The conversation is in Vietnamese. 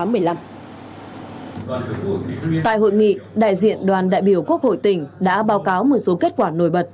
tại hội nghị đại diện đoàn đại biểu quốc hội tỉnh đã báo cáo một số kết quả nổi bật